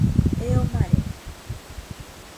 Eo mare